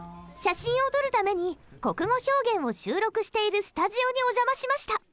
写真を撮るために「国語表現」を収録しているスタジオにお邪魔しました。